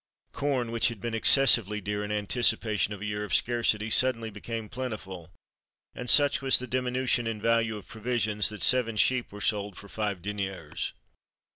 Corn, which had been excessively dear in anticipation of a year of scarcity, suddenly became plentiful; and such was the diminution in the value of provisions, that seven sheep were sold for five deniers.